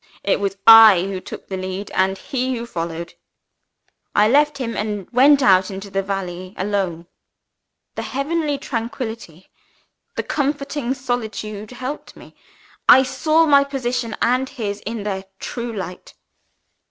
It was I who took the lead, and he who followed. I left him and went out into the valley alone. "The heavenly tranquillity, the comforting solitude helped me. I saw my position and his, in their true light.